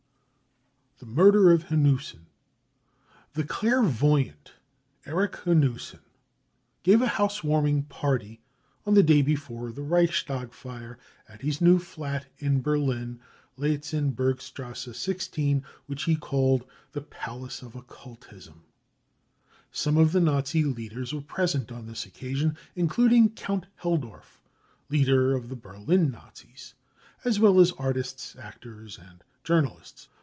The Murder of Hanussen. The clairvoyant Erik Hanussen gave a house warming party, on the day before the Reichstag fire, at his new fiat in Berlin, Ljetzen burgstrasse 16, which he called the Palace of Occultism* Some of the Nazi leaders were present on this occasion, THE REAL INCENDIARIES 125 ^including Count HelMorf, leader of the Berlin Nazis,, as well as artists, actors and journalists.